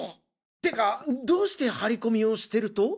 てかどうして張り込みをしてると。